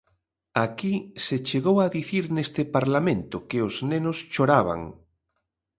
Aquí se chegou a dicir neste Parlamento que os nenos choraban.